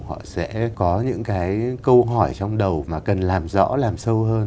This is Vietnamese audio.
họ sẽ có những cái câu hỏi trong đầu mà cần làm rõ làm sâu hơn